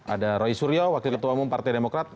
ada roy suryo wakil ketua umum partai demokrat